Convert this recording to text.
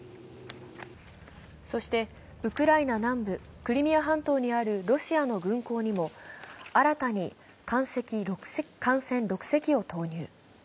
そして、ウクライナ南部クリミア半島にあるロシアの軍港にも新たに艦船６隻を投入。